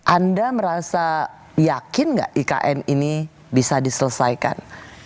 anda merasa yakin nggak ikn ini bisa diselesaikan